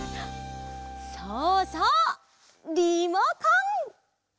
そうそうリモコン！